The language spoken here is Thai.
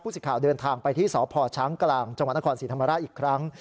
สิทธิ์เดินทางไปที่สพช้างกลางจังหวัดนครศรีธรรมราชอีกครั้ง